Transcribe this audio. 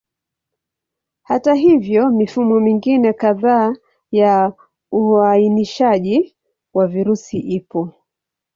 Hata hivyo, mifumo mingine kadhaa ya uainishaji wa virusi ipo.